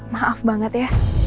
maaf banget ya